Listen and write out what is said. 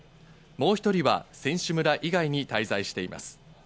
もう１人は選手村以外に滞在しています。